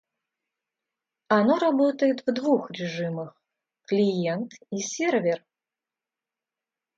Оно работает в двух режимах: клиент и сервер